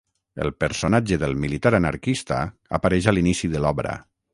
El personatge del militar anarquista apareix a l'inici de l'obra.